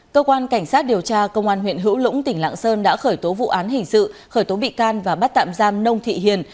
cơ quan cảnh sát điều tra công an huyện hữu lũng tỉnh lạng sơn đã khởi tố vụ án hình sự khởi tố bị can và bắt tạm giam nông thị hiền